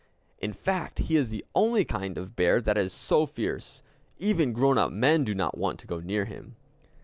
In fact, he is the only kind of bear that is so fierce. Even grown up men do not want to go near him.